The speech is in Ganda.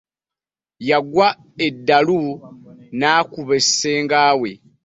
Yaggwa eddalu n'akuba ssenga we.